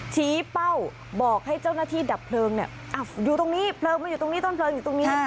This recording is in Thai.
เป้าบอกให้เจ้าหน้าที่ดับเพลิงอยู่ตรงนี้เพลิงมันอยู่ตรงนี้ต้นเพลิงอยู่ตรงนี้